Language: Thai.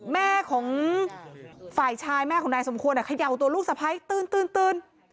แม่ของฝ่ายชายแม่ของนายสมควรเขย่าตัวลูกสะพ้ายตื่น